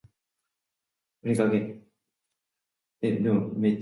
お墓参り